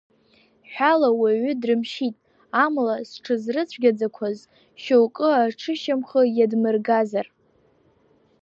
Ҳәала уаҩы дрымшьит, амала зҽызрыцәгьаӡақәаз шьоукы аҽышьамхы иадмыргазар.